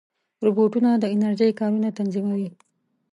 روبوټونه د انرژۍ کارونه تنظیموي.